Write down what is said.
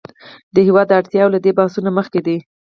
د هېواد اړتیاوې له دې بحثونو مخکې دي.